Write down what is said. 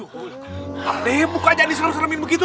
pak d mukanya diserem seremin begitu